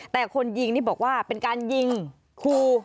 แต่คนยิงนี่บอกว่าเป็นการยิงครู